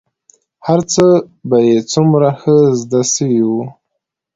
هرڅه به يې څومره ښه زده سوي وو.